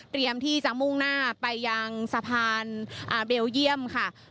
เตรียมที่จะมุ่งหน้าไปยังสะพานเดียวเยี่ยมค่ะ